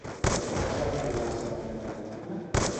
Com es va titular la seva primera pel·lícula?